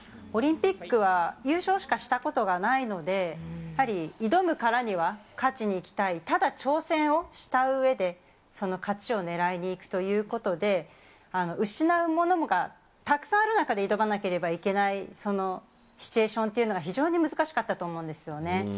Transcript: オリンピックは優勝しかしたことがないので、やはり、挑むからには勝ちにいきたい、ただ挑戦をしたうえで、その勝ちをねらいにいくということで、失うものがたくさんある中で挑まなければいけないそのシチュエーションというのが非常に難しかったと思うんですよね。